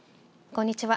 こんにちは。